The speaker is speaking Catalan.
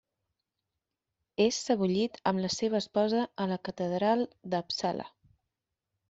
És sebollit amb la seva esposa a la catedral d'Uppsala.